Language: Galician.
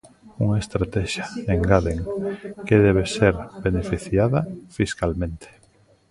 Unha estratexia, engaden, "que debe ser beneficiada fiscalmente".